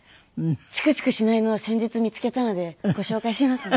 チクチクしないのを先日見つけたのでご紹介しますね。